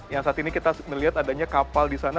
yang saat ini kita melihat adanya kapal di sana